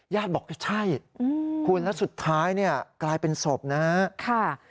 ญาติบอกว่าใช่และสุดท้ายกลายเป็นศพนะ